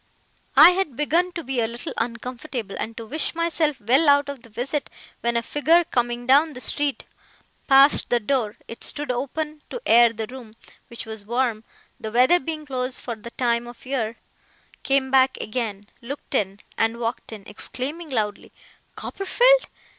I had begun to be a little uncomfortable, and to wish myself well out of the visit, when a figure coming down the street passed the door it stood open to air the room, which was warm, the weather being close for the time of year came back again, looked in, and walked in, exclaiming loudly, 'Copperfield!